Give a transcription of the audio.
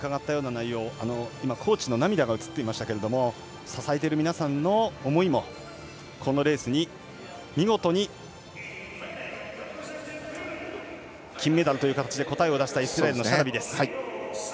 コーチの涙が映っていましたが支えている皆さんの思いもこのレースに見事に金メダルという形で答えを出したイスラエルのシャラビ。